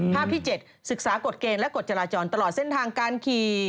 ที่๗ศึกษากฎเกณฑ์และกฎจราจรตลอดเส้นทางการขี่